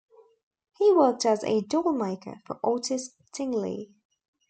He worked as a doll maker for Otis Tingely.